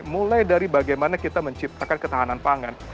mulai dari bagaimana kita menciptakan ketahanan pangan